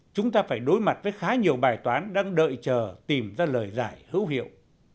chúng ta phải đối mặt với khá nhiều bài toán đang đợi chờ tìm ra lời giải hữu hiệu